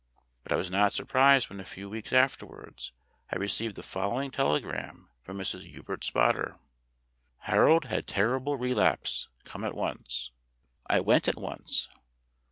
But I was not surprised when a few weeks afterwards I received the following telegram from Mrs. Hubert Spotter: "Harold had terrible relapse. Come at once." I went at once.